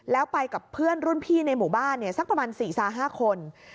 แล้วไปกับเพื่อนรุ่นพี่ในหมู่บ้านสักประมาณ๔๕คน